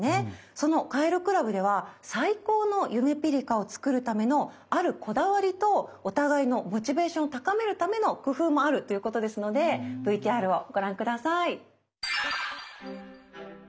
そのカエル倶楽部では最高のゆめぴりかを作るためのあるこだわりとお互いのモチベーションを高めるための工夫もあるということですのでＶＴＲをご覧下さい。